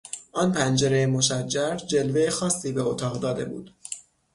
آن پنجره مشجر، جلوهٔ خاصی به اتاق داده بود